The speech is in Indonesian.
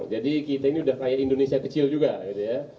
jadi kita ini udah kaya indonesia kecil juga gitu ya